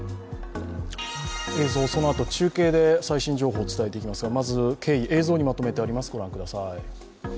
映像、そのあと中継で最新情報を伝えていきますが、まず経緯、映像にまとめてあります